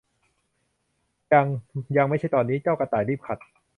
ยัง ยังไม่ใช่ตอนนี้ เจ้ากระต่ายรีบขัด